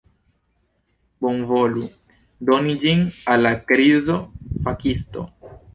Bonvolu doni ĝin al la krizo-fakisto!